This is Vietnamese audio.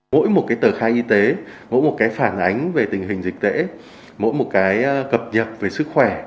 mỗi một tờ khai y tế mỗi một phản ánh về tình hình dịch tễ mỗi một cập nhật về sức khỏe